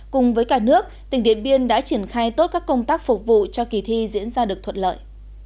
cùng với cả nước tỉnh điện biên đã triển khai tốt các công tác phục vụ cho kỳ thi diễn ra được thuận lợi